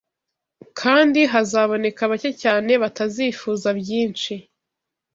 kandi hazaboneka bake cyane batazifuza byinshi